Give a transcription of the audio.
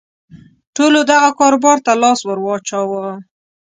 ټولو دغه کاروبار ته لاس ور واچاوه.